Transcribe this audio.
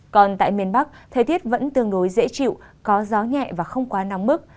còn tại miền bắc thời tiết vẫn tương đối dễ chịu có gió nhẹ và không quá nóng bức